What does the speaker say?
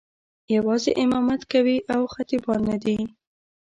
یوازې امامت کوي او خطیبان نه دي.